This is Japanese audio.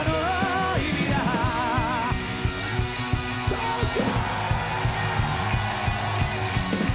東京！